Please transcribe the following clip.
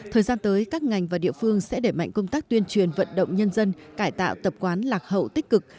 thời gian tới các ngành và địa phương sẽ để mạnh công tác tuyên truyền vận động nhân dân cải tạo tập quán lạc hậu tích cực